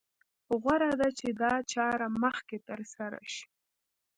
غوره ده چې دا چاره مخکې تر سره شي.